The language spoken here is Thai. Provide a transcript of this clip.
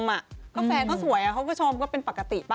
แฟนเขาสวยเขาก็ชมก็เป็นปกติป่ะ